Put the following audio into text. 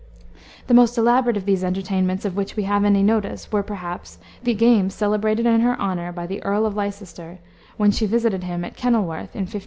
The most elaborate of these entertainments of which we have any notice, were, perhaps, the games celebrated in her honor by the Earl of Leicester, when she visited him at Kenilworth, in 1575.